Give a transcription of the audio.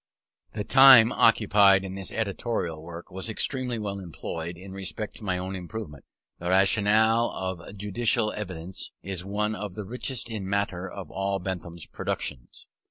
The time occupied in this editorial work was extremely well employed in respect to my own improvement. The Rationale of Judicial Evidence is one of the richest in matter of all Bentham's productions.